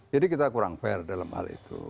jadi kita kurang fair dalam hal itu